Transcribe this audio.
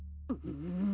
うん。